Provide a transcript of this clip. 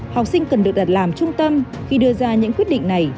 học sinh cần được đặt làm trung tâm khi đưa ra những quyết định này